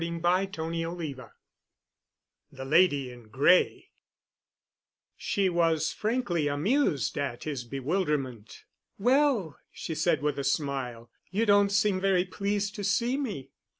*CHAPTER XIX* *THE LADY IN GRAY* She was frankly amused at his bewilderment. "Well," she said with a smile, "you don't seem very pleased to see me."